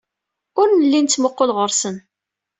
Ur nelli nettmuqul ɣer-sen.